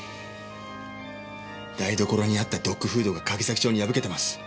台所にあったドッグフードがかぎ裂き状に破けてます。